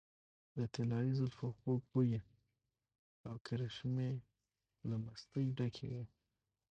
د طلايي زلفو خوږ بوي او کرشمې له مستۍ ډکې وې .